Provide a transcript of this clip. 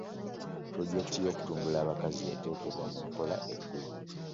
Pulojekiti y'okutumbula abakazi yateekebwa mu nkola e Gulu.